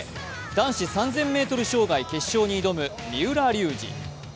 男子３０００ｍ障害決勝に挑む三浦龍司。